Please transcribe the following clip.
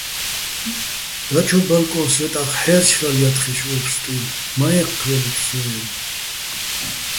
დაჩო ბალკოჼ სვეტახ ჰ̦ი́რჩრალო̆ ჲათხეშ ო ფსტუ́ჲნო̆: მა ე́ჴჴჲო́ლეთ სო-აჲნო̆.